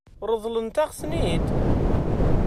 Ṛeḍlent-aɣ-ten-id?